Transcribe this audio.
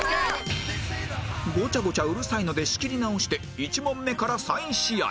ゴチャゴチャうるさいので仕切り直して１問目から再試合